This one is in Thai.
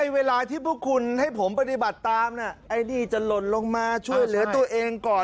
เวลาที่พวกคุณให้ผมปฏิบัติตามไอ้นี่จะหล่นลงมาช่วยเหลือตัวเองก่อน